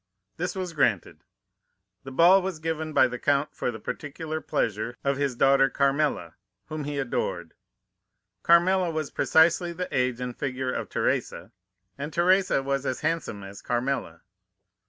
This was granted. The ball was given by the Count for the particular pleasure of his daughter Carmela, whom he adored. Carmela was precisely the age and figure of Teresa, and Teresa was as handsome as Carmela.